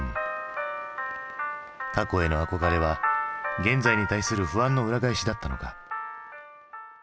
過去への憧れは現在に対する不安の裏返しだったのか。